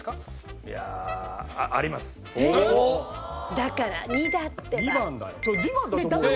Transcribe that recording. だから２だってば。